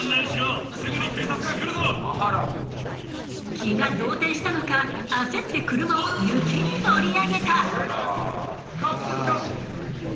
気が動転したのか焦って車を雪に乗り上げた。